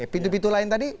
pintu pintu lain tadi